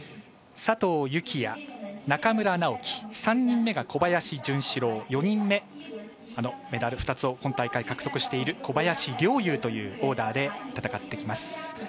佐藤幸椰、中村直幹３人目が小林潤志郎４人目、メダル２つを今大会、獲得している小林陵侑というオーダーで戦ってきます。